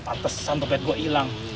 pantesan tuh pet gua ilang